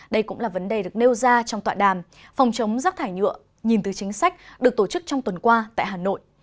đây cũng là vấn đề được nêu ra trong tọa đàm phòng chống rác thải nhựa nhìn từ chính sách được tổ chức trong tuần qua tại hà nội